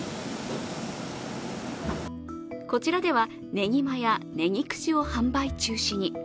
こちらではねぎまやねぎ串を販売中止に。